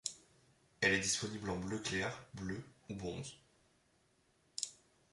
Elle est disponible en bleu clair, bleu ou bronze.